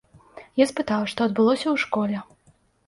Я спытаў, што адбылося ў школе.